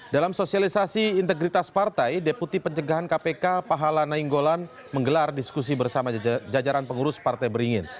dalam sosialisasi integritas partai deputi pencegahan kpk pahala nainggolan menggelar diskusi bersama jajaran pengurus partai beringin